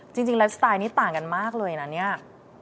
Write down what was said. จริงแล้วสไตล์นี้ต่างกันมากเลยนะเนี่ย